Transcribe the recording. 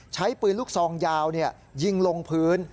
ใช้ปืนลูกซองยาวยิงลงพื้น